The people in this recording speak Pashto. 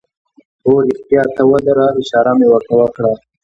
هو، رښتیا ته ودره، اشاره مې ور ته وکړه.